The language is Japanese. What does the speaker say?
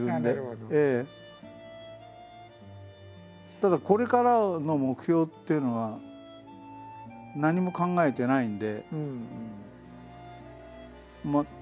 ただこれからの目標っていうのは何も考えてないんで。